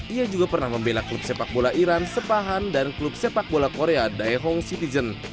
ia juga pernah membela klub sepak bola iran sepahan dan klub sepak bola korea daehong citizen